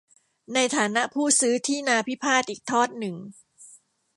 ในฐานะผู้ซื้อที่นาพิพาทอีกทอดหนึ่ง